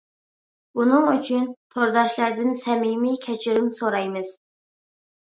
بۇنىڭ ئۈچۈن تورداشلاردىن سەمىمىي كەچۈرۈم سورايمىز.